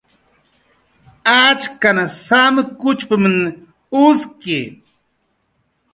"Achkan samkuchp""mn uski"